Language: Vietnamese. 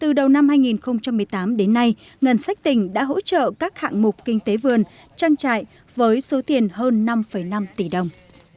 từ đầu năm hai nghìn một mươi tám đến nay ngân sách tỉnh đã hỗ trợ các hạng mục kinh tế vườn trang trại với số tiền hơn năm năm tỷ đồng